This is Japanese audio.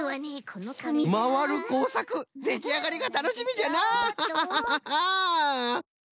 まわるこうさくできあがりがたのしみじゃのう！